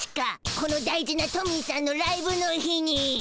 この大事なトミーしゃんのライブの日に！